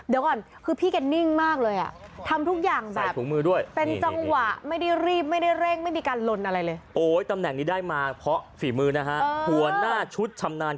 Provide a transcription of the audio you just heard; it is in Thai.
เดี๋ยวก่อนคือพี่แกนิ่งมากเลยทำทุกอย่างแบบ